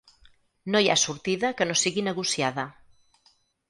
No hi ha sortida que no sigui negociada.